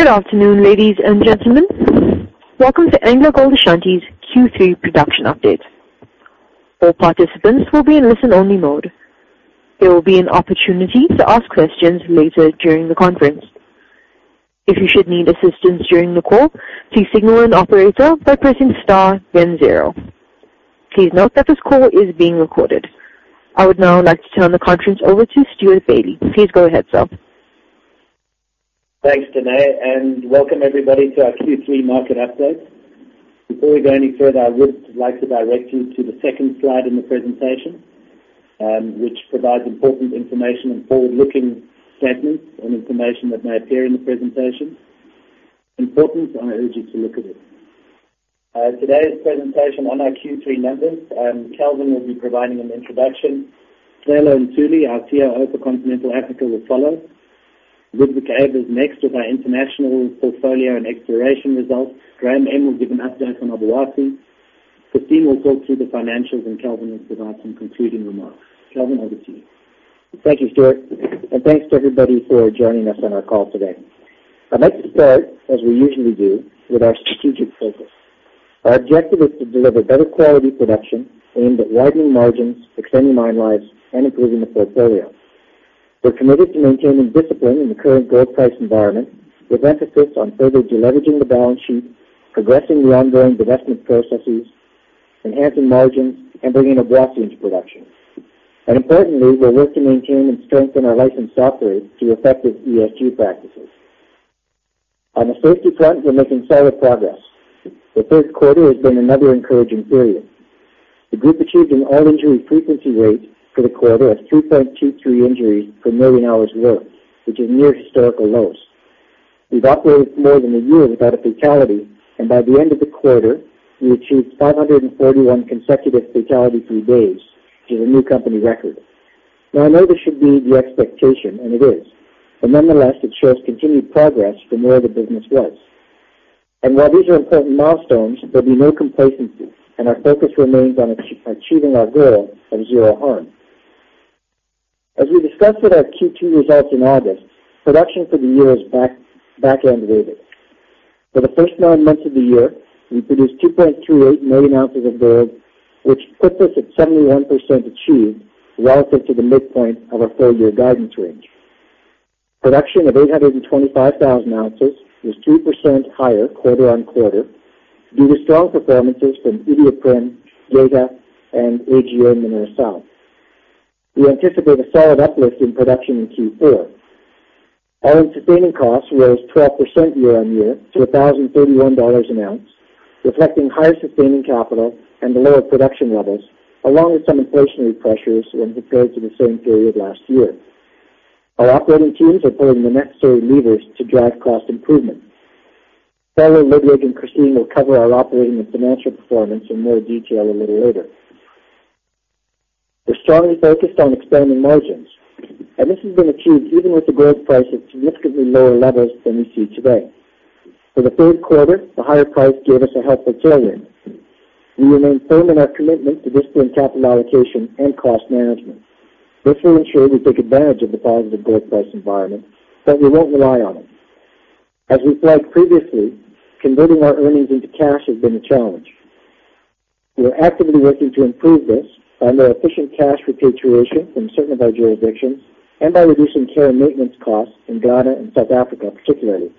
Good afternoon, ladies and gentlemen. Welcome to AngloGold Ashanti's Q3 production update. All participants will be in listen-only mode. There will be an opportunity to ask questions later during the conference. If you should need assistance during the call, please signal an operator by pressing star then zero. Please note that this call is being recorded. I would now like to turn the conference over to Stewart Bailey. Please go ahead, sir. Thanks, Danae, welcome everybody to our Q3 market update. Before we go any further, I would like to direct you to the second slide in the presentation, which provides important information on forward-looking statements and information that may appear in the presentation. Important, so I urge you to look at it. Today's presentation on our Q3 numbers, Kelvin will be providing an introduction. Sicelo Ntuli, our CEO for Continental Africa, will follow. Ludwig Eybers next with our international portfolio and exploration results. Graham Ehm will give an update on Obuasi. Christine will talk through the financials, and Kelvin will provide some concluding remarks. Kelvin, over to you. Thank you, Stewart, and thanks to everybody for joining us on our call today. I'd like to start, as we usually do, with our strategic focus. Our objective is to deliver better quality production aimed at widening margins, extending mine lives, and improving the portfolio. We're committed to maintaining discipline in the current gold price environment, with emphasis on further deleveraging the balance sheet, progressing the ongoing divestment processes, enhancing margins, and bringing Obuasi into production. Importantly, we'll work to maintain and strengthen our license to operate through effective ESG practices. On the safety front, we're making solid progress. The third quarter has been another encouraging period. The group achieved an all-injury frequency rate for the quarter of 2.23 injuries per million hours worked, which is near historical lows. We've operated more than a year without a fatality, and by the end of the quarter, we achieved 541 consecutive fatality-free days, which is a new company record. I know this should be the expectation, and it is, but nonetheless, it shows continued progress from where the business was. While these are important milestones, there'll be no complacency, and our focus remains on achieving our goal of zero harm. As we discussed with our Q2 results in August, production for the year is back-end loaded. For the first nine months of the year, we produced 2.28 million ounces of gold, which puts us at 71% achieved relative to the midpoint of our full-year guidance range. Production of 825,000 ounces was 2% higher quarter on quarter due to strong performances from Iduapriem, Geita, and AGA Mineração. We anticipate a solid uplift in production in Q4. Our all-in sustaining costs rose 12% year-on-year to $1,031 an ounce, reflecting higher sustaining capital and lower production levels, along with some inflationary pressures when compared to the same period last year. Our operating teams are pulling the necessary levers to drive cost improvements. Sicelo, Ludwig, and Christine will cover our operating and financial performance in more detail a little later. We're strongly focused on expanding margins, and this has been achieved even with the gold price at significantly lower levels than we see today. For the third quarter, the higher price gave us a helpful tailwind. We remain firm in our commitment to disciplined capital allocation and cost management. This will ensure we take advantage of the positive gold price environment, but we won't rely on it. As we flagged previously, converting our earnings into cash has been a challenge. We are actively working to improve this by more efficient cash repatriation from certain of our jurisdictions and by reducing care and maintenance costs in Ghana and South Africa particularly.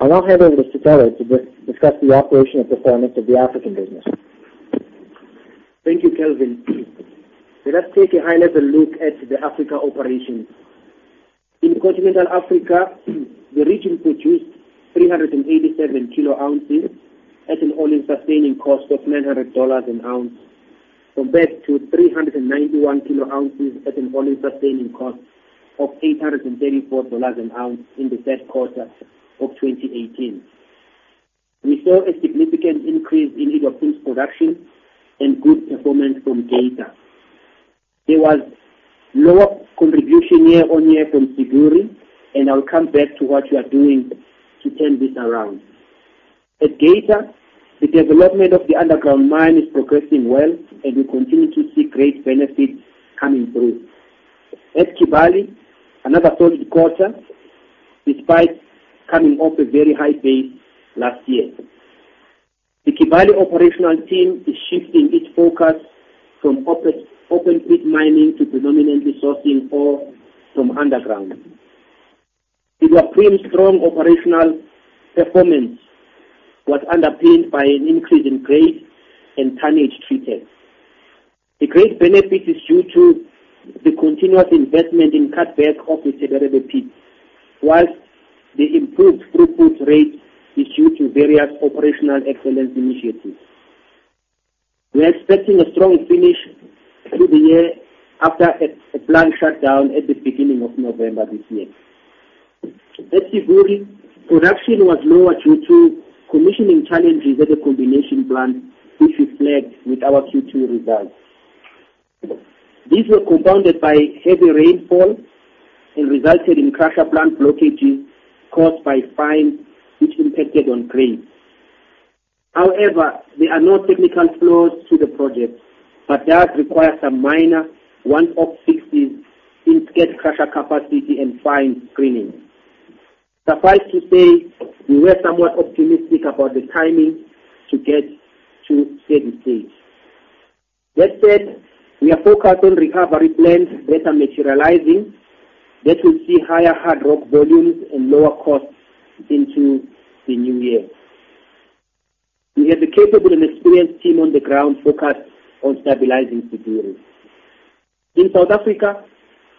I'll now hand over to Sicelo to discuss the operational performance of the African business. Thank you, Kelvin. Let us take a high-level look at the Africa operations. In continental Africa, the region produced 387 kilo ounces at an all-in sustaining cost of $900 an ounce compared to 391 kilo ounces at an all-in sustaining cost of $834 an ounce in the third quarter of 2018. We saw a significant increase in Iduapriem's production and good performance from Geita. There was lower contribution year on year from Siguiri, and I'll come back to what we are doing to turn this around. At Geita, the development of the underground mine is progressing well, and we continue to see great benefits coming through. At Kibali, another solid quarter, despite coming off a very high base last year. The Kibali operational team is shifting its focus from open-pit mining to predominantly sourcing ore from underground. Iduapriem's strong operational performance was underpinned by an increase in grade and tonnage treated. The grade benefit is due to the continuous investment in cutback of the Teberebie pit. While the improved throughput rate is due to various operational excellence initiatives. We are expecting a strong finish to the year after a planned shutdown at the beginning of November this year. At Siguiri, production was lower due to commissioning challenges at the comminution plant, which we flagged with our Q2 results. These were compounded by heavy rainfall and resulted in crusher plant blockages caused by fines which impacted on grade. However, there are no technical flaws to the project. It does require some minor one-off fixes in sketch crusher capacity and fine screening. Suffice to say, we were somewhat optimistic about the timing to get to a certain stage. That said, we are focused on recovery plans that are materializing, that will see higher hard rock volumes and lower costs into the new year. We have a capable and experienced team on the ground focused on stabilizing Teberebie. In South Africa,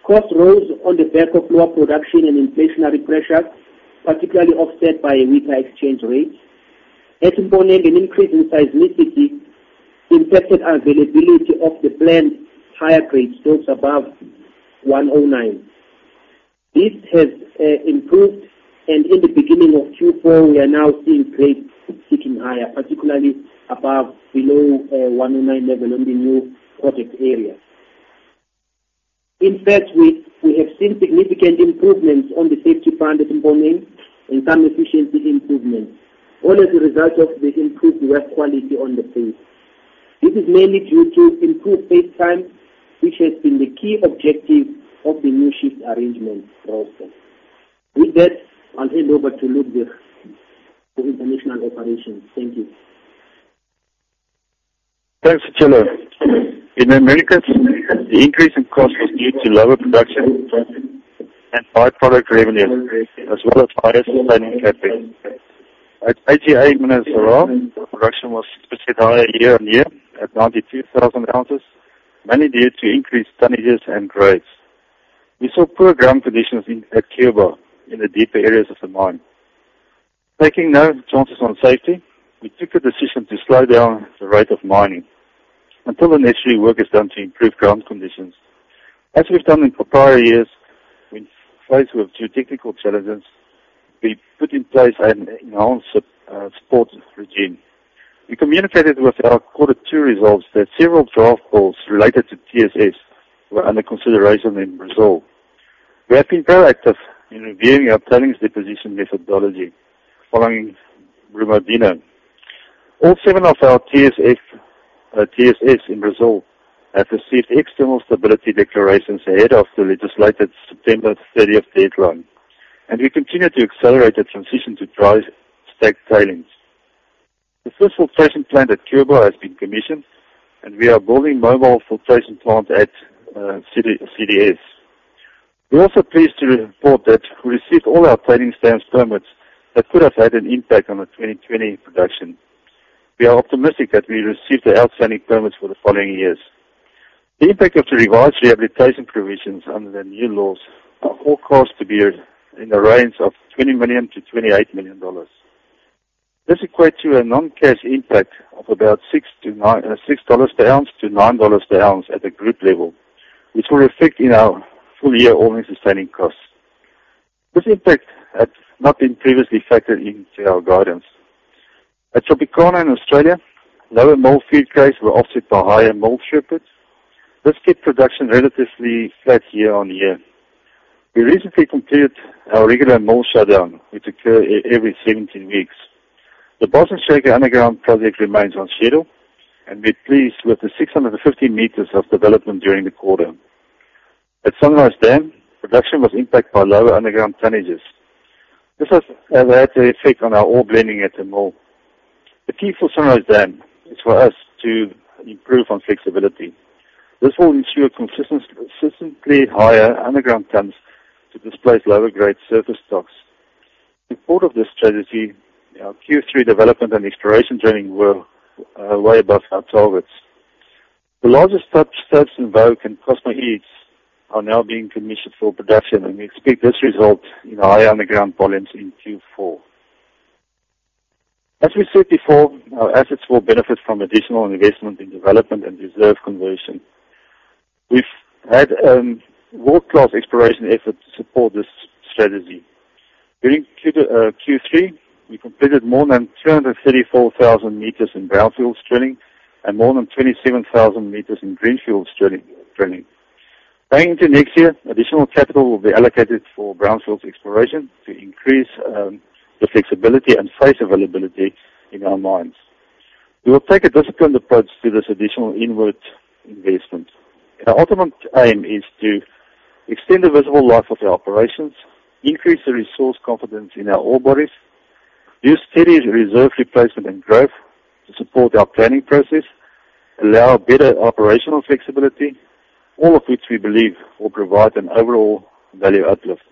costs rose on the back of lower production and inflationary pressures, particularly offset by a weaker exchange rate. At Mponeng, an increase in seismicity impacted availability of the planned higher-grade stocks above 109. This has improved. In the beginning of Q4, we are now seeing grades ticking higher, particularly above below 109 level on the new project area. In fact, we have seen significant improvements on the safety front at Mponeng and some efficiency improvements, all as a result of the improved work quality on the face. This is mainly due to improved face time, which has been the key objective of the new shift arrangement process. With that, I'll hand over to Ludwig for information on operations. Thank you. Thanks, Sicelo. In the Americas, the increase in cost was due to lower production and by-product revenue, as well as higher sustaining capital. At AGA Mineração in Brazil, production was slightly higher year-over-year at 92,000 ounces, mainly due to increased tonnages and grades. We saw poor ground conditions at Cuiabá in the deeper areas of the mine. Taking no chances on safety, we took a decision to slow down the rate of mining until the necessary work is done to improve ground conditions. As we've done in prior years, when faced with geotechnical challenges, we put in place an enhanced support regime. We communicated with our Quarter 2 results that several draft calls related to TSFs were under consideration in Brazil. We have been proactive in reviewing our tailings deposition methodology following Brumadinho. All seven of our TSFs in Brazil have received external stability declarations ahead of the legislated September 30th deadline. We continue to accelerate the transition to dry stack tailings. The first filtration plant at Cuiabá has been commissioned. We are building mobile filtration plant at CdS. We're also pleased to report that we received all our tailing dam permits that could have had an impact on the 2020 production. We are optimistic that we receive the outstanding permits for the following years. The impact of the revised rehabilitation provisions under the new laws are forecast to be in the range of $20 million-$28 million. This equates to a non-cash impact of about $6 per ounce to $9 per ounce at the group level, which will affect in our full-year all-in sustaining costs. This impact had not been previously factored into our guidance. At Tropicana in Australia, lower mill feed grades were offset by higher mill throughputs. This kept production relatively flat year-on-year. We recently completed our regular mill shutdown, which occur every 17 weeks. The Boston Shaker underground project remains on schedule, and we're pleased with the 650 meters of development during the quarter. At Sunrise Dam, production was impacted by lower underground tonnages. This has had an effect on our ore blending at the mill. The key for Sunrise Dam is for us to improve on flexibility. This will ensure consistently higher underground tonnes to displace lower-grade surface stocks. In support of this strategy, our Q3 development and exploration drilling were way above our targets. The larger stopes in Vogue and Cosmo Howley are now being commissioned for production, and we expect this result in higher underground volumes in Q4. As we said before, our assets will benefit from additional investment in development and reserve conversion. We've had world-class exploration efforts to support this strategy. During Q3, we completed more than 234,000 meters in brownfields drilling and more than 27,000 meters in greenfields drilling. Going into next year, additional capital will be allocated for brownfields exploration to increase the flexibility and face availability in our mines. We will take a disciplined approach to this additional inward investment. Our ultimate aim is to extend the visible life of the operations, increase the resource confidence in our ore bodies, use steady reserve replacement and growth to support our planning process, allow better operational flexibility, all of which we believe will provide an overall value uplift.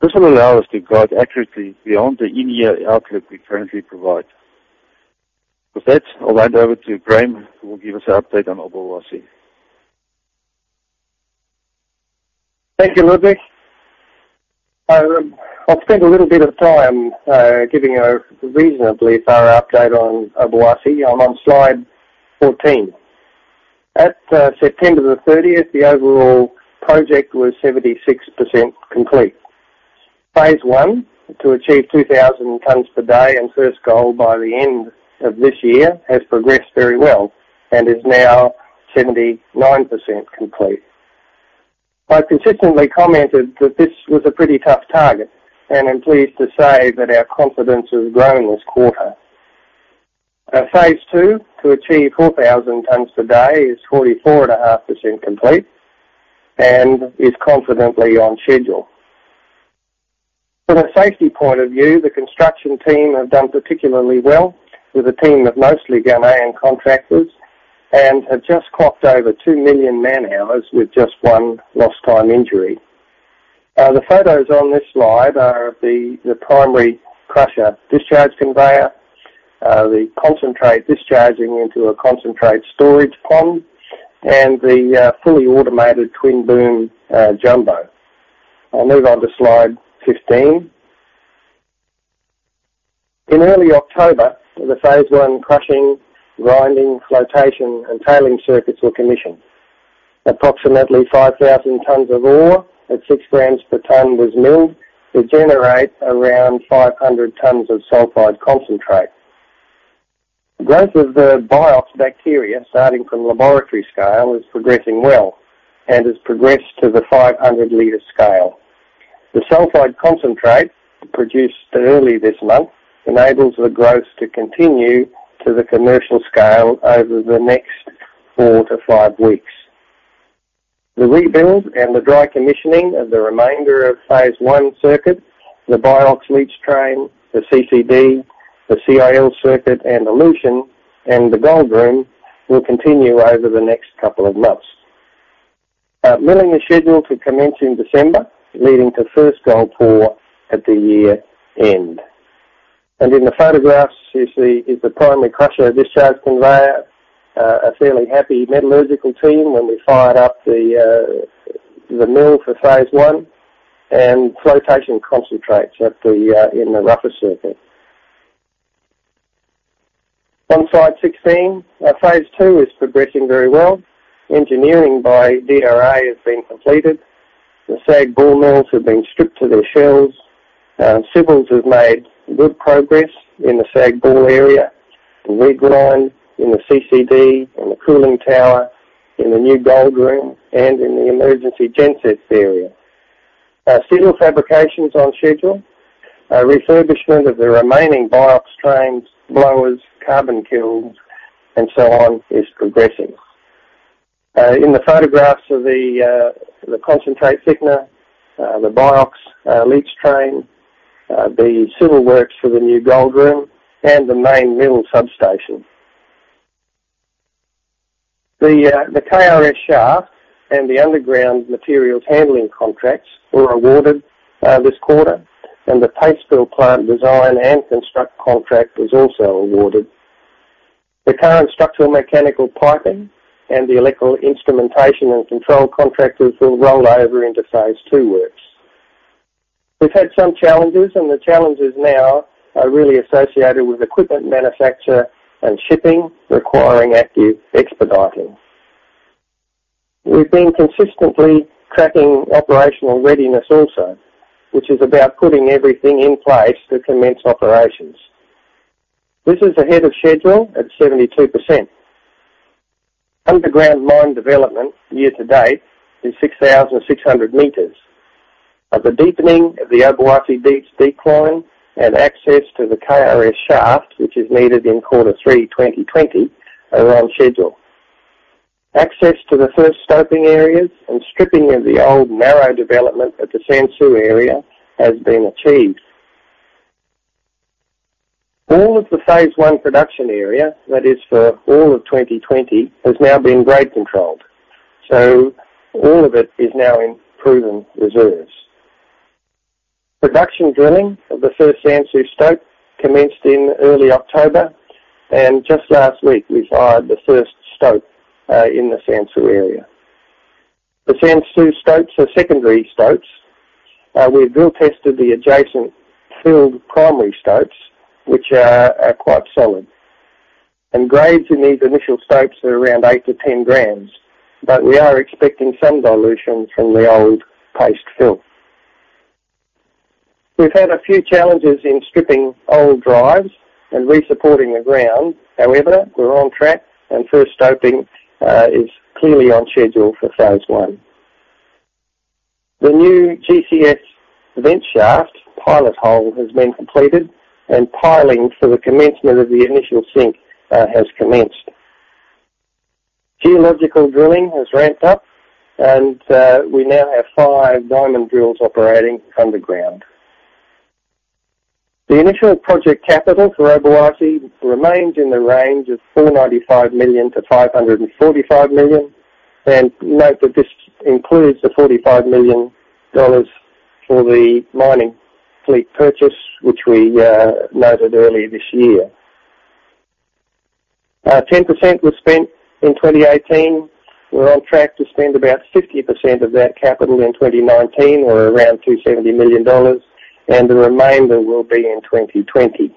This will allow us to guide accurately beyond the in-year outlook we currently provide. With that, I'll hand over to Graham, who will give us an update on Obuasi. Thank you, Ludwig. I'll spend a little bit of time giving a reasonably thorough update on Obuasi. I'm on slide 14. At September the 30th, the overall project was 76% complete. Phase One, to achieve 2,000 tonnes per day and first gold by the end of this year, has progressed very well and is now 79% complete. I've consistently commented that this was a pretty tough target, and I'm pleased to say that our confidence has grown this quarter. Phase two to achieve 4,000 tons per day is 44.5% complete and is confidently on schedule. From a safety point of view, the construction team have done particularly well with a team of mostly Ghanaian contractors and have just clocked over 2 million man-hours with just one lost time injury. The photos on this slide are of the primary crusher discharge conveyor, the concentrate discharging into a concentrate storage pond, and the fully automated twin boom jumbo. I'll move on to slide 15. In early October, the phase one crushing, grinding, flotation, and tailing circuits were commissioned. Approximately 5,000 tons of ore at six grams per ton was milled to generate around 500 tons of sulfide concentrate. Growth of the BIOX bacteria, starting from laboratory scale, is progressing well and has progressed to the 500-liter scale. The sulfide concentrate produced early this month enables the growth to continue to the commercial scale over the next four to five weeks. The rebuild and the dry commissioning of the remainder of phase one circuit, the BIOX leach train, the CCD, the CIL circuit and elution, and the gold room will continue over the next couple of months. Milling is scheduled to commence in December, leading to first gold pour at the year-end. In the photographs you see is the primary crusher discharge conveyor, a fairly happy metallurgical team when we fired up the mill for phase 1, and flotation concentrates in the rougher circuit. On slide 16, phase 2 is progressing very well. Engineering by DRA has been completed. The SAG ball mills have been stripped to their shells. Civils have made good progress in the SAG ball area, the regrind, in the CCD, in the cooling tower, in the new gold room, and in the emergency gen sets area. Civil fabrication is on schedule. Refurbishment of the remaining BIOX trains, blowers, carbon kilns, and so on is progressing. In the photographs of the concentrate thickener, the BIOX leach train, the civil works for the new gold room, and the main mill substation. The KRS shaft and the underground materials handling contracts were awarded this quarter, and the paste fill plant design and construct contract was also awarded. The current structural mechanical piping and the electrical instrumentation and control contractors will roll over into phase 2 works. We've had some challenges, and the challenges now are really associated with equipment manufacture and shipping, requiring active expediting. We've been consistently tracking operational readiness also, which is about putting everything in place to commence operations. This is ahead of schedule at 72%. Underground mine development year to date is 6,600 meters. The deepening of the Obuasi deep decline and access to the KRS shaft, which is needed in quarter three 2020, are on schedule. Access to the first stoping areas and stripping of the old narrow development at the Sansu area has been achieved. All of the phase one production area, that is for all of 2020, has now been grade controlled. All of it is now in proven reserves. Production drilling of the first Sansu stope commenced in early October, and just last week, we fired the first stope in the Sansu area. The Sansu stopes are secondary stopes. We've drill tested the adjacent filled primary stopes, which are quite solid. Grades in these initial stopes are around 8 to 10 grams, but we are expecting some dilution from the old paste fill. We've had a few challenges in stripping old drives and resupporting the ground. However, we're on track, and first stoping is clearly on schedule for phase one. The new GCS vent shaft pilot hole has been completed, and piling for the commencement of the initial sink has commenced. Geological drilling has ramped up, and we now have five diamond drills operating underground. The initial project capital for Obuasi remains in the range of $495 million-$545 million, and note that this includes the $45 million for the mining fleet purchase, which we noted earlier this year. 10% was spent in 2018. We are on track to spend about 50% of that capital in 2019 or around $270 million, and the remainder will be in 2020.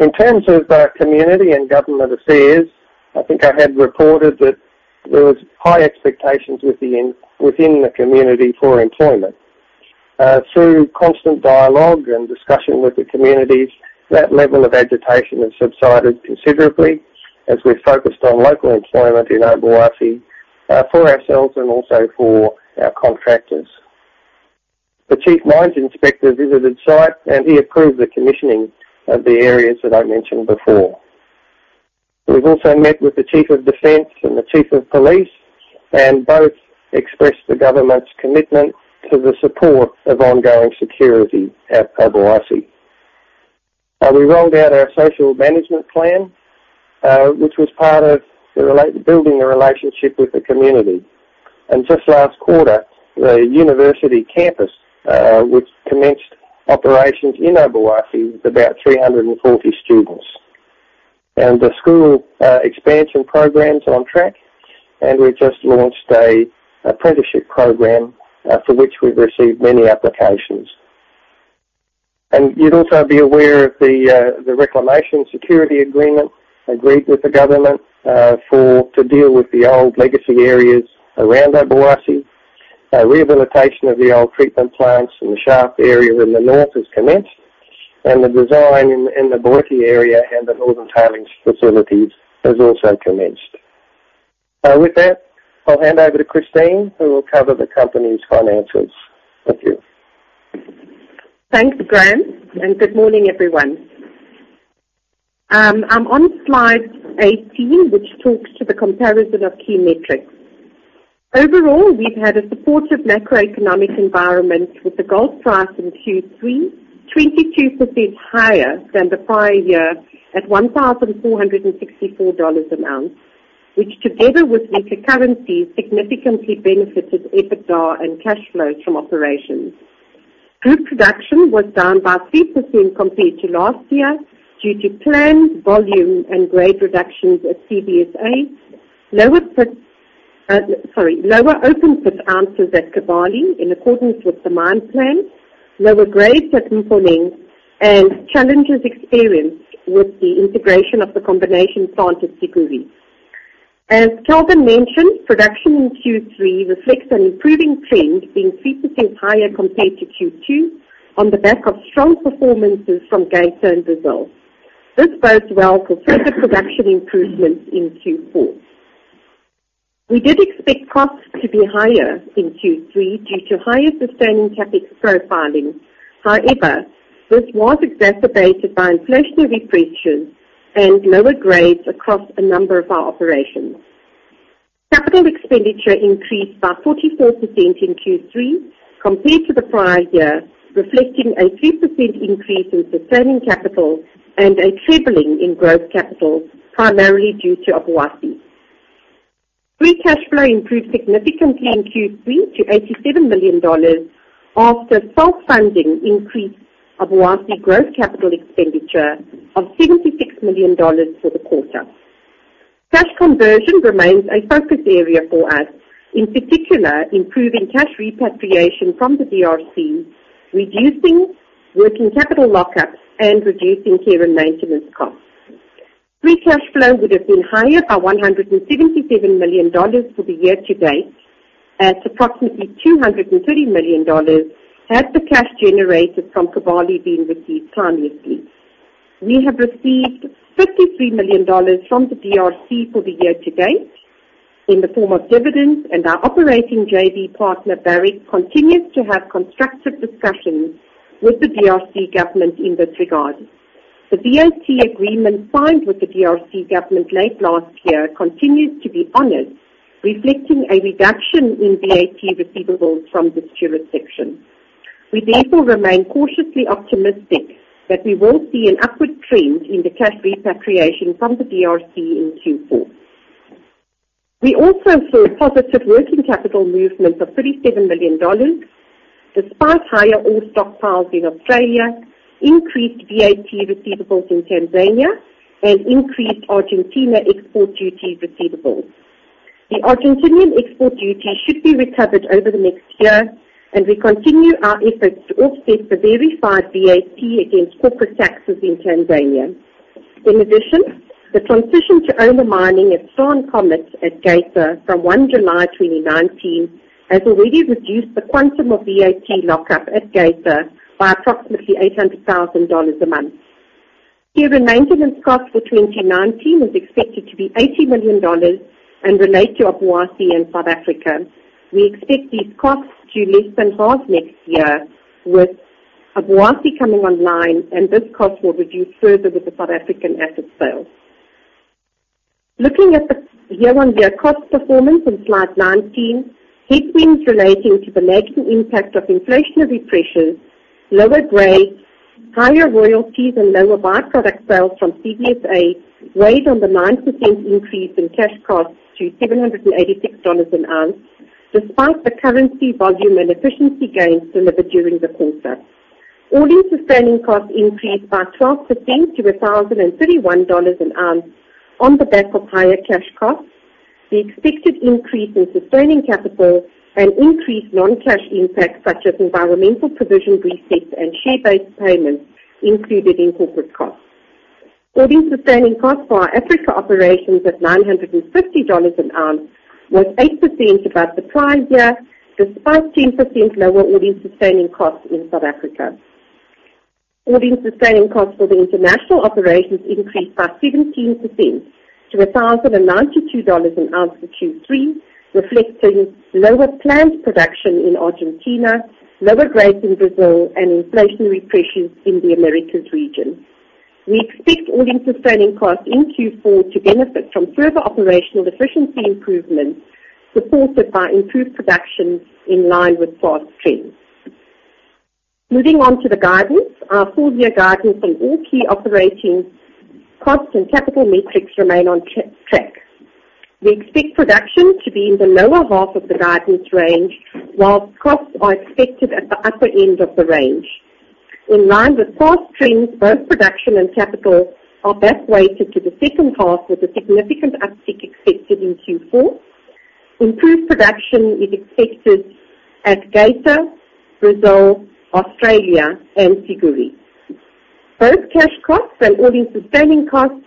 In terms of our community and government affairs, I think I had reported that there was high expectations within the community for employment. Through constant dialogue and discussion with the communities, that level of agitation has subsided considerably as we focused on local employment in Obuasi for ourselves and also for our contractors. The chief mines inspector visited site, and he approved the commissioning of the areas that I mentioned before. We've also met with the chief of defense and the chief of police, and both expressed the government's commitment to the support of ongoing security at Obuasi. We rolled out our social management plan, which was part of building a relationship with the community. Just last quarter, the university campus, which commenced operations in Obuasi with about 340 students. The school expansion program is on track, and we've just launched an apprenticeship program for which we've received many applications. You'd also be aware of the reclamation security agreement agreed with the government to deal with the old legacy areas around Obuasi. Rehabilitation of the old treatment plants in the shaft area in the north has commenced and the design in the Obuasi area and the northern tailings facilities has also commenced. With that, I'll hand over to Christine, who will cover the company's financials. Thank you. Thanks, Graham, and good morning, everyone. I'm on slide 18, which talks to the comparison of key metrics. Overall, we've had a supportive macroeconomic environment with the gold price in Q3, 22% higher than the prior year at $1,464 an ounce, which together with better currency, significantly benefited EBITDA and cash flows from operations. Group production was down by 3% compared to last year due to planned volume and grade reductions at CVSA. Sorry. Lower open pit ounces at Kibali in accordance with the mine plan, lower grades at Mponeng, and challenges experienced with the integration of the comminution plant at Siguiri. As Kelvin mentioned, production in Q3 reflects an improving trend, being 3% higher compared to Q2 on the back of strong performances from Geita and [Kibali]. This bodes well for further production improvements in Q4. We did expect costs to be higher in Q3 due to higher sustaining capex profiling. This was exacerbated by inflationary pressures and lower grades across a number of our operations. Capital expenditure increased by 44% in Q3 compared to the prior year, reflecting a 3% increase in sustaining capital and a tripling in growth capital, primarily due to Obuasi. Free cash flow improved significantly in Q3 to $87 million after self-funding increased Obuasi growth capital expenditure of $76 million for the quarter. Cash conversion remains a focus area for us, in particular, improving cash repatriation from the DRC, reducing working capital lockups, and reducing care and maintenance costs. Free cash flow would have been higher at $177 million for the year to date. That's approximately $230 million, had the cash generated from Kibali been received timely. We have received $53 million from the DRC for the year to date in the form of dividends, and our operating JV partner, Barrick, continues to have constructive discussions with the DRC government in this regard. The VAT agreement signed with the DRC government late last year continues to be honored, reflecting a reduction in VAT receivables from this jurisdiction. We, therefore, remain cautiously optimistic that we will see an upward trend in the cash repatriation from the DRC in Q4. We also saw a positive working capital movement of $37 million despite higher ore stockpiles in Australia, increased VAT receivables in Tanzania, and increased Argentina export duty receivables. The Argentinian export duty should be recovered over the next year, and we continue our efforts to offset the verified VAT against corporate taxes in Tanzania. In addition, the transition to owner mining at Star & Comet at Geita from 1 July 2019 has already reduced the quantum of VAT lockup at Geita by approximately $800,000 a month. Care and maintenance cost for 2019 is expected to be $80 million and relate to Obuasi in South Africa. We expect these costs to lessen half next year with Obuasi coming online. This cost will reduce further with the South African asset sale. Looking at the year-on-year cost performance in slide 19, headwinds relating to the lasting impact of inflationary pressures, lower grades, higher royalties, and lower by-product sales from CVSA weighed on the 9% increase in cash costs to $786 an ounce, despite the currency volume and efficiency gains delivered during the quarter. All-in sustaining costs increased by 12% to $1,031 an ounce on the back of higher cash costs. The expected increase in sustaining capital and increased non-cash impacts such as environmental provision resets and share-based payments included in corporate costs. All-in sustaining costs for our Africa operations at $950 an ounce was 8% above the prior year, despite 10% lower all-in sustaining costs in South Africa. All-in sustaining costs for the international operations increased by 17% to $1,092 an ounce in Q3, reflecting lower plant production in Argentina, lower grades in Brazil, and inflationary pressures in the Americas region. We expect all-in sustaining costs in Q4 to benefit from further operational efficiency improvements, supported by improved production in line with past trends. Moving on to the guidance. Our full-year guidance on all key operating costs and capital metrics remain on track. We expect production to be in the lower half of the guidance range, whilst costs are expected at the upper end of the range. In line with past trends, both production and capital are back weighted to the second half with a significant uptick expected in Q4. Improved production is expected at Geita, Brazil, Australia, and Siguiri. Both cash costs and all-in sustaining costs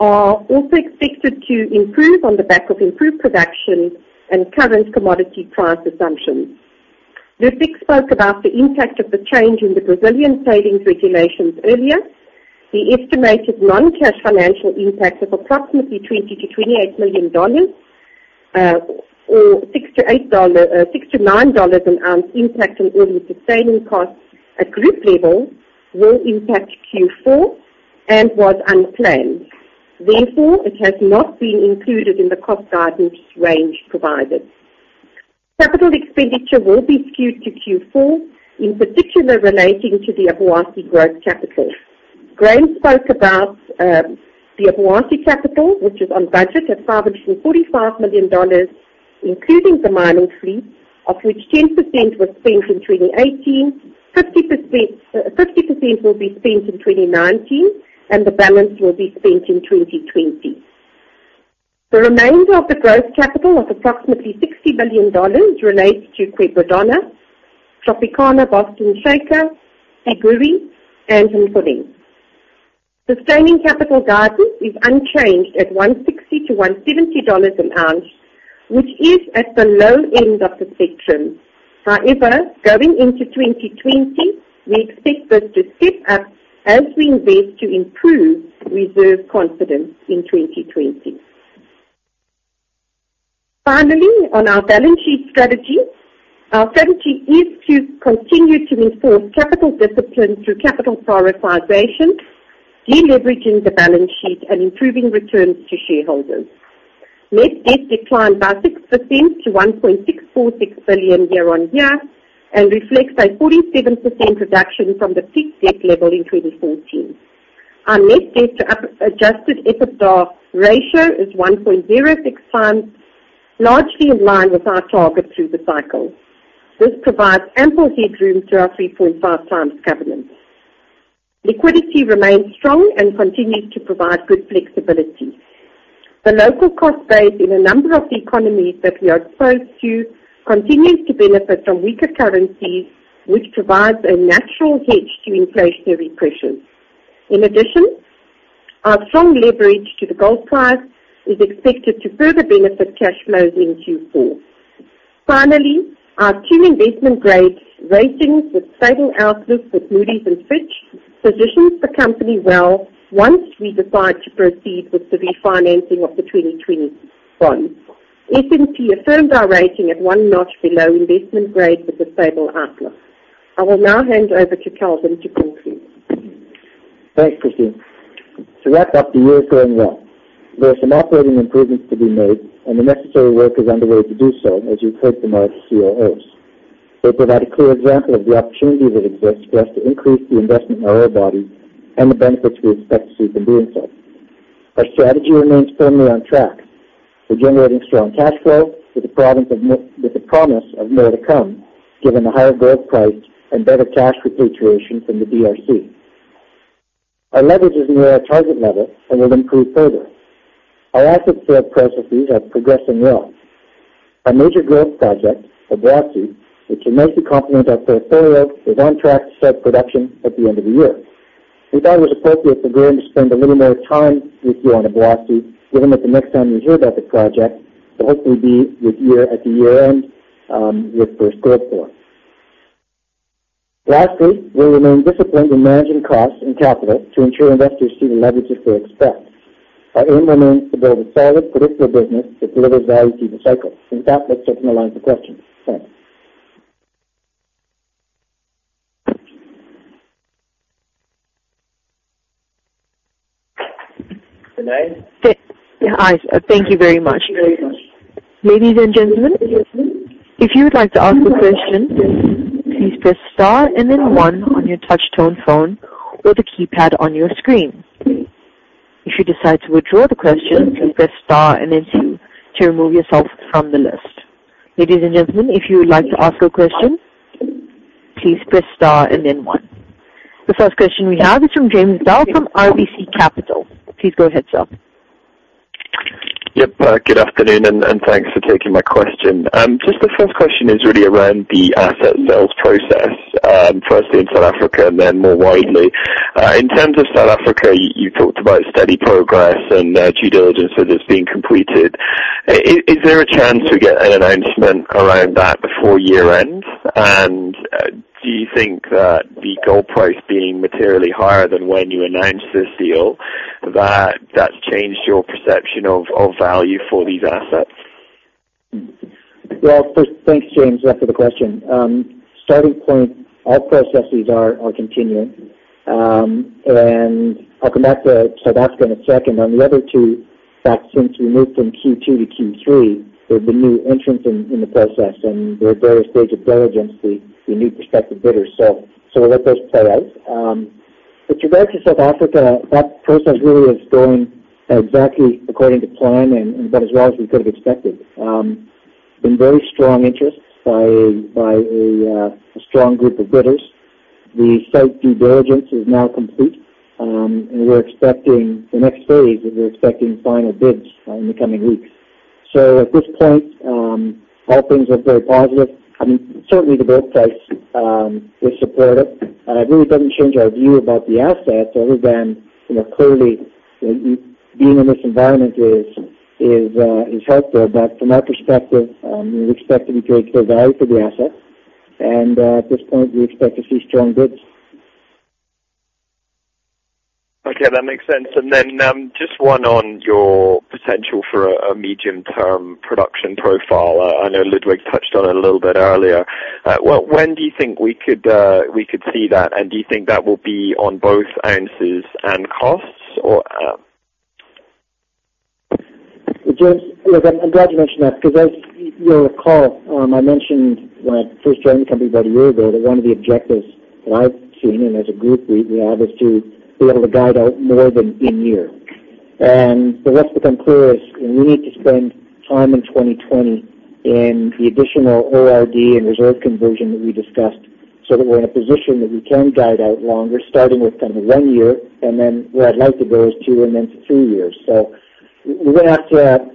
are also expected to improve on the back of improved production and current commodity price assumptions. Ludwig spoke about the impact of the change in the Brazilian savings regulations earlier. The estimated non-cash financial impact of approximately $20 million-$28 million or $69 an ounce impact on all-in sustaining costs at group level will impact Q4 and was unplanned. Therefore, it has not been included in the cost guidance range provided. Capital expenditure will be skewed to Q4, in particular relating to the Obuasi growth capital. Graham spoke about the Obuasi capital, which is on budget at $545 million, including the mining fleet, of which 10% was spent in 2018, 50% will be spent in 2019, and the balance will be spent in 2020. The remainder of the growth capital of approximately $60 million relates to Quebradona, Tropicana Boston Shaker, Siguiri, and Mponeng. Sustaining capital guidance is unchanged at $160-$170 an ounce, which is at the low end of the spectrum. However, going into 2020, we expect this to step up as we invest to improve reserve confidence in 2020. Finally, on our balance sheet strategy, our strategy is to continue to enforce capital discipline through capital prioritization, deleveraging the balance sheet, and improving returns to shareholders. Net debt declined by 6% to $1.646 billion year on year and reflects a 47% reduction from the peak debt level in 2014. Our net debt to adjusted EBITDA ratio is 1.06 times, largely in line with our target through the cycle. This provides ample headroom to our 3.5 times covenant. Liquidity remains strong and continues to provide good flexibility. The local cost base in a number of the economies that we are exposed to continues to benefit from weaker currencies, which provides a natural hedge to inflationary pressures. Our strong leverage to the gold price is expected to further benefit cash flows in Q4. Our two investment-grade ratings with stable outlook with Moody's and Fitch positions the company well once we decide to proceed with the refinancing of the 2020 bond. S&P affirmed our rating at one notch below investment grade with a stable outlook. I will now hand over to Kelvin to conclude. Thanks, Christine. To wrap up, the year is going well. There are some operating improvements to be made and the necessary work is underway to do so, as you've heard from our COOs. They provide a clear example of the opportunity that exists for us to increase the investment in our orebody and the benefits we expect to see from doing so. Our strategy remains firmly on track. We're generating strong cash flow with the promise of more to come, given the higher gold price and better cash repatriation from the DRC. Our leverage is near our target level and will improve further. Our asset sale processes are progressing well. Our major growth project, Obuasi, which will nicely complement our portfolio, is on track to start production at the end of the year. We thought it was appropriate for Graham to spend a little more time with you on Obuasi, given that the next time you hear about the project will hopefully be at the year-end with first gold poured. Lastly, we remain disciplined in managing costs and capital to ensure investors see the leverage that they expect. Our aim remains to build a solid, predictable business that delivers value through the cycle. In fact, let's open the line for questions. Thanks. Thank you very much. Ladies and gentlemen, if you would like to ask a question, please press star and then one on your touch-tone phone or the keypad on your screen. If you decide to withdraw the question, please press star and then two to remove yourself from the list. Ladies and gentlemen, if you would like to ask a question, please press star and then one. The first question we have is from James Bell from RBC Capital. Please go ahead, sir. Yep. Good afternoon, thanks for taking my question. Just the first question is really around the asset sales process, firstly in South Africa and then more widely. In terms of South Africa, you talked about steady progress and due diligence that is being completed. Is there a chance we get an announcement around that before year-end? Do you think that the gold price being materially higher than when you announced this deal, that's changed your perception of value for these assets? Well, first, thanks, James, for the question. Starting point, all processes are continuing. I'll come back to South Africa in a second. On the other two, in fact, since we moved from Q2 to Q3, there have been new entrants in the process. We are at various stages of diligence with the new prospective bidders. We'll let those play out. With regards to South Africa, that process really is going exactly according to plan and about as well as we could have expected. There has been very strong interest by a strong group of bidders. The site due diligence is now complete. We're expecting the next phase. We're expecting final bids in the coming weeks. At this point, all things are very positive. Certainly, the gold price is supportive, and it really doesn't change our view about the assets other than clearly being in this environment is helpful. From our perspective, we would expect to be paid full value for the asset, and at this point, we expect to see strong bids. Okay, that makes sense. Just one on your potential for a medium-term production profile. I know Ludwig touched on it a little bit earlier. When do you think we could see that, and do you think that will be on both ounces and costs? James, look, I'm glad you mentioned that because as you'll recall, I mentioned when I first joined the company about a year ago that one of the objectives that I've seen and as a group we have is to be able to guide out more than in year. What's become clear is we need to spend time in 2020 in the additional ORD and reserve conversion that we discussed so that we're in a position that we can guide out longer, starting with kind of one year, and then where I'd like to go is two and then to three years. We're going to have to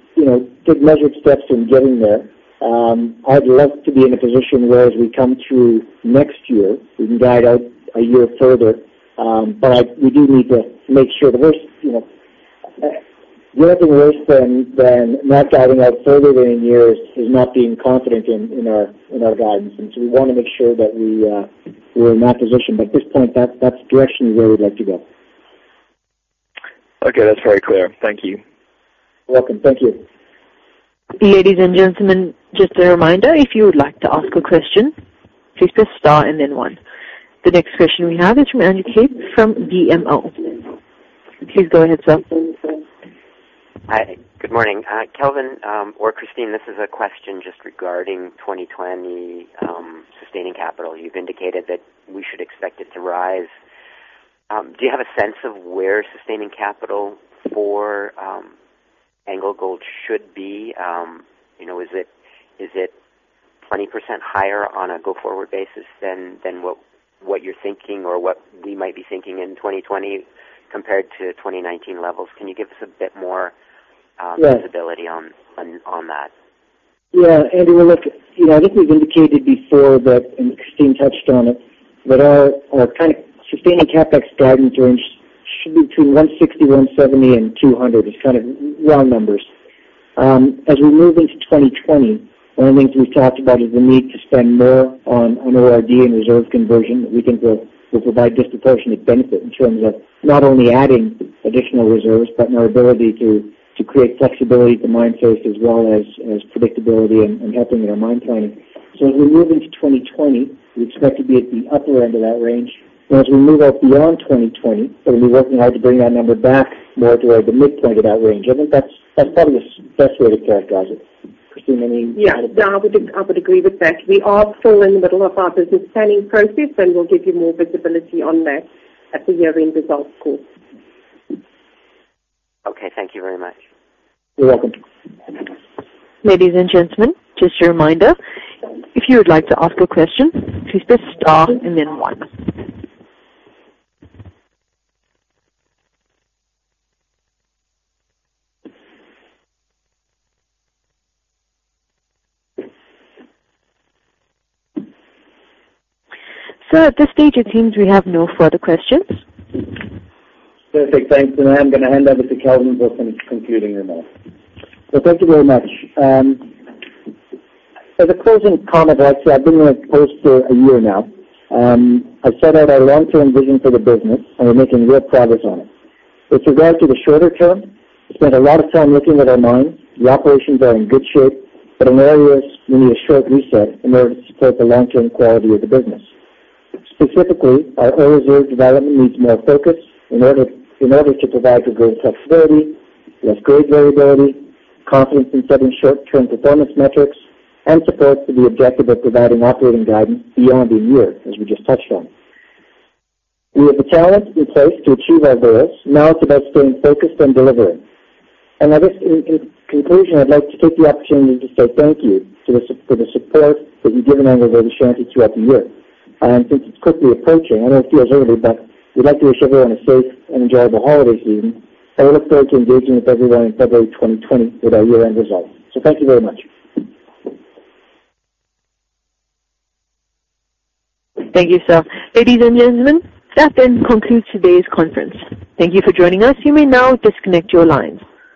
take measured steps in getting there. I'd love to be in a position where as we come through next year, we can guide out a year further. We do need to make sure that worse than not guiding out further than a year is not being confident in our guidance. We want to make sure that we're in that position. At this point, that's the direction we really like to go. Okay, that's very clear. Thank you. You're welcome. Thank you. Ladies and gentlemen, just a reminder, if you would like to ask a question, please press star and then one. The next question we have is from Andy Cape from BMO. Please go ahead, sir. Hi, good morning. Kelvin or Christine, this is a question just regarding 2020 sustaining capital. You've indicated that we should expect it to rise. Do you have a sense of where sustaining capital for AngloGold should be? Is it 20% higher on a go-forward basis than what you're thinking or what we might be thinking in 2020 compared to 2019 levels? Can you give us a bit more? Yeah visibility on that? Yeah, Andy. Well, look, I think we've indicated before that, and Christine touched on it, that our kind of sustaining CapEx guidance range should be between $160, $170, and $200 as kind of round numbers. As we move into 2020, one of the things we've talked about is the need to spend more on ORD and reserve conversion that we think will provide disproportionate benefit in terms of not only adding additional reserves but in our ability to create flexibility at the mine face as well as predictability and helping with our mine planning. As we move into 2020, we expect to be at the upper end of that range. As we move out beyond 2020, we'll be working hard to bring that number back more toward the midpoint of that range. I think that's probably the best way to characterize it. Christine, any- Yeah. No, I would agree with that. We are still in the middle of our business planning process, and we'll give you more visibility on that at the year-end results call. Okay, thank you very much. You're welcome. Ladies and gentlemen, just a reminder, if you would like to ask a question, please press star and then one. Sir, at this stage, it seems we have no further questions. Perfect. Thanks. I am going to hand over to Kelvin for some concluding remarks. Well, thank you very much. As a closing comment, actually, I've been here close to a year now. I set out our long-term vision for the business, and we're making real progress on it. With regard to the shorter term, we spent a lot of time looking at our mines. The operations are in good shape, but in areas we need a short reset in order to support the long-term quality of the business. Specifically, our ore reserve development needs more focus in order to provide for greater flexibility, less grade variability, confidence in certain short-term performance metrics, and support for the objective of providing operating guidance beyond a year, as we just touched on. We have the talent in place to achieve our goals. Now it's about staying focused and delivering. I guess in conclusion, I'd like to take the opportunity to say thank you for the support that you've given AngloGold Ashanti throughout the year. I think it's quickly approaching. I know it feels early, but we'd like to wish everyone a safe and enjoyable holiday season, and we look forward to engaging with everyone in February 2020 with our year-end results. Thank you very much. Thank you, sir. Ladies and gentlemen, that then concludes today's conference. Thank you for joining us. You may now disconnect your lines.